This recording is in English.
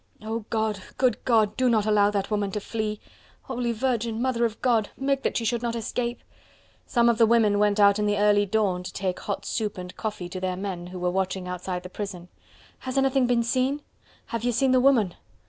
"Oh God! Good God! Do not allow that woman to flee!" "Holy Virgin! Mother of God! Make that she should not escape!" Some of the women went out in the early dawn to take hot soup and coffee to their men who were watching outside the prison. "Has anything been seen?" "Have ye seen the woman?"